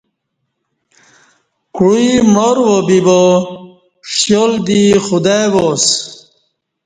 کوعی معاروا بِبا ݜیال دی خدای وا اسہ